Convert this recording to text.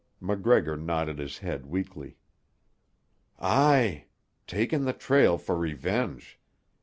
MacGregor nodded his head weakly. "Aye. Taken the trail for revenge.